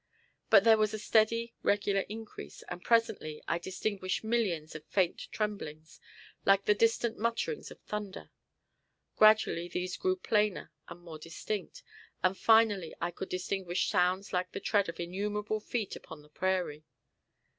But there was a steady, regular increase, and presently I distinguished millions of faint tremblings, like the distant mutterings of thunder. Gradually these grew plainer and more distinct, and finally I could distinguish sounds like the tread of innumerable feet upon the prairie.